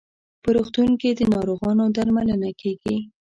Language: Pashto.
په روغتون کې د ناروغانو درملنه کیږي.